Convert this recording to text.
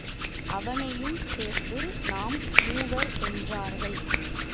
அவனையும் சேர்த்து நாம் மூவர் என்றார்கள்.